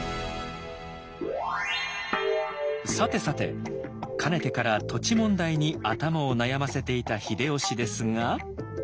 さてさてかねてから土地問題に頭を悩ませていた秀吉ですが。